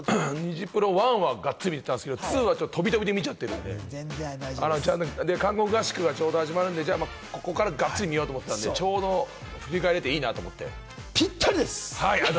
ニジプロ１はがっつり見てたんですけれども、２は飛び飛びで見ちゃってるんで、韓国合宿が始まるので、こっから、がっちり見ようと思ったので、ちょうど振り返れていいかなと思って。